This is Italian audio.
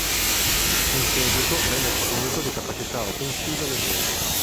In seguito venne fornito di capacità offensive leggere.